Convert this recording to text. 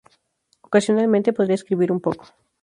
Ocasionalmente podría escribir un poco.